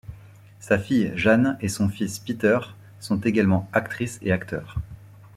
Sa fille Jane et son fils Peter sont également actrice et acteur.